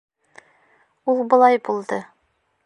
Ул былай булды.